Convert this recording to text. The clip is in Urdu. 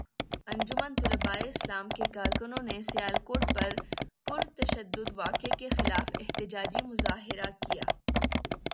انجمن طلباء اسلام کے کارکنوں نے سیالکوٹ کے پرتشدد واقعے کے خلاف احتجاجی مظاہرہ کیا